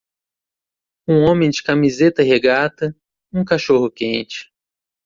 Um homem de camiseta regata um cachorro-quente.